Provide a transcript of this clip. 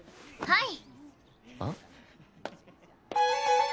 はい。